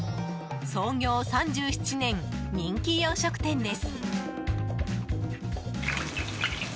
創業３７年、人気洋食店です。